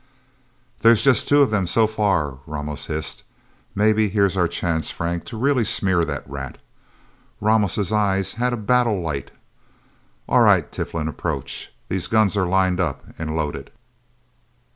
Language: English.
"There's just two of them so far," Ramos hissed. "Maybe here's our chance, Frank, to really smear that rat!" Ramos' eyes had a battlelight. "All right, Tiflin approach. These guns are lined up and loaded."